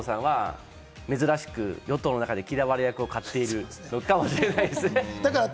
当然、河野さんは珍しく与党の中で嫌われ役を買っているかもしれないですね。